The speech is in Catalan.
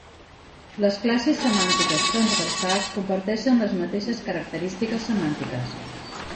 Les classes semàntiques transversals comparteixen les mateixes característiques semàntiques.